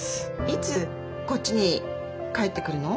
いつこっちに帰ってくるの？